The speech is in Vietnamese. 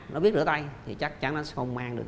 nó biết rửa tay thì chắc chắn nó không mang được